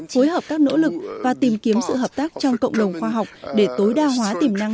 phối hợp các nỗ lực và tìm kiếm sự hợp tác trong cộng đồng khoa học để tối đa hóa tiềm năng